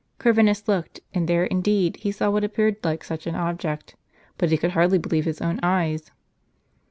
Corvinus looked, and there indeed he saw what appeared like such an object, but he could hardly believe his own eyes.